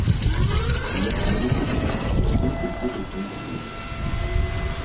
Свет вялікі, а чалавек усюды той самы.